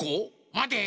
まて！